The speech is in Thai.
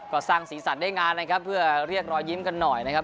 ก็สร้างสีสันได้งานนะครับเพื่อเรียกรอยยิ้มกันหน่อยนะครับ